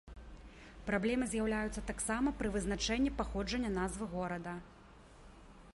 Праблемы з'яўляюцца таксама пры вызначэнні паходжання назвы горада.